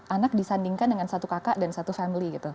anak disandingkan dengan satu kakak dan satu family gitu